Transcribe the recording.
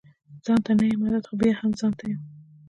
ځانته نه يم عادت خو بيا هم ځانته يم